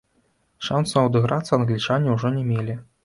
Шансаў адыграцца англічане ўжо не мелі.